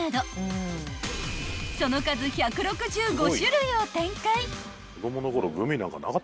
［その数１６５種類を展開］